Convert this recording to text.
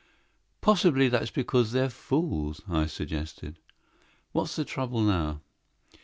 "Possibly that's because they're fools," I suggested. "What's the trouble now?"